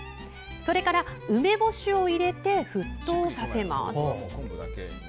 それから梅干しを入れて沸騰させます。